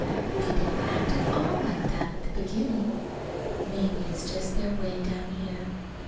And they didn't act at all like that at the beginning. Maybe it's just their way down here.